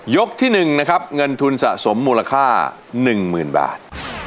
ที่๑นะครับเงินทุนสะสมมูลค่า๑๐๐๐บาท